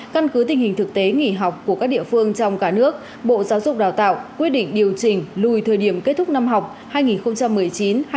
căn cứ tình hình thực tế nghỉ học của các địa phương trong cả nước bộ giáo dục đào tạo quyết định điều chỉnh lùi thời điểm kết thúc năm học hai nghìn một mươi chín hai nghìn hai mươi